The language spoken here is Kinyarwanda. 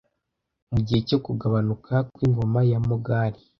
Mugihe cyo kugabanuka kwingoma ya Mogali